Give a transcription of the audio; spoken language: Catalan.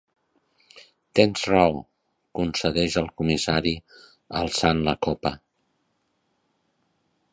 Tens raó —concedeix el comissari, alçant la copa—.